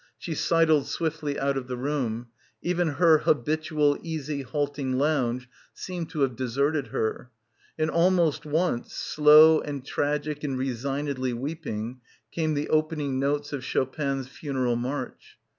She sidled swiftly out of the room; even her habitual easy halting lounge seemed to have deserted her; and almost oner, slow and tragic and resignedly weeping came the opening notes of Chopin's Funeral March.